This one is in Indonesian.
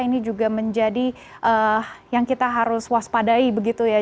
ini juga menjadi yang kita harus waspadai begitu ya